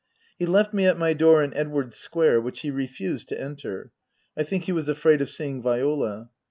He left me at my door in Edwardes Square, which he refused to enter. I think he was afraid of seeing Viola.